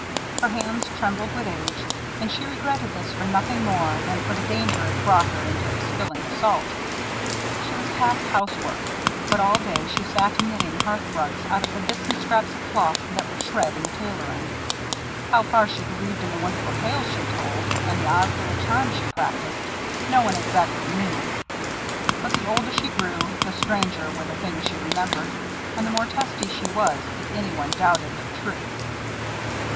Her hands trembled with age, and she regretted this for nothing more than for the danger it brought her into of spilling the salt. She was past housework, but all day she sat knitting hearth rugs out of the bits and scraps of cloth that were shred in the tailoring. How far she believed in the wonderful tales she told, and the odd little charms she practised, no one exactly knew; but the older she grew, the stranger were the things she remembered, and the more testy she was if any one doubted their truth.